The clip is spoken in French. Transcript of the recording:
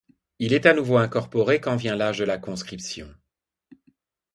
Il est à nouveau incorporé quand vient l'âge de la conscription.